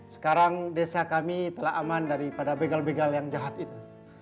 sekarang desa kami telah aman daripada begal begal yang jahat itu